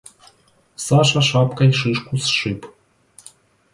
Саша шапкой шишку сшиб.